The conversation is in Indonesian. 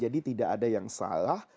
jadi tidak ada yang salah